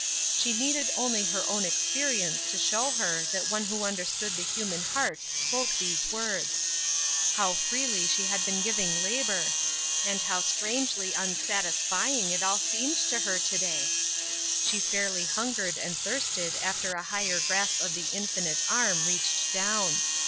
She needed only her own experience to show her that one who understood the human heart spoke those words ! How freely she hud been giving labor ' and how strangely unsatisf j " That Which Satisfieth Nbtr 845 ing it all seemed to her to day I She fairly hun gered and thirsted after a higher grasp of the Infinite Arm, reached down.